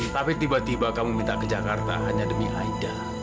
tapi tiba tiba kamu minta ke jakarta hanya demi aida